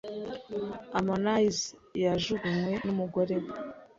Harmonize yajugunywe n’umugore we